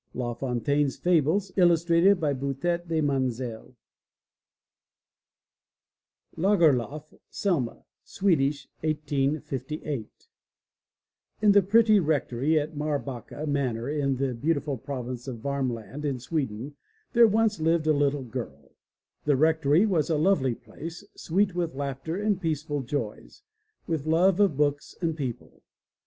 La Fontaine's Fables, illustrated by Boutet de Monvel 126 THE LATCH KEY LAGERLOF, SELMA (Swedish, 185& ) IN the pretty rectory at Marbacka Manor in the beautiful province of Varmland in Sweden there once lived a little girl. The rectory was a lovely place, sweet with laughter and peaceful joys, with love of books and people.